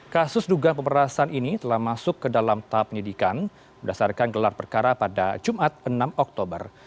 kasus dugaan pemerasan ini telah masuk ke dalam tahap penyidikan berdasarkan gelar perkara pada jumat enam oktober